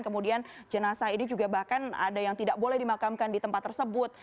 kemudian jenazah ini juga bahkan ada yang tidak boleh dimakamkan di tempat tersebut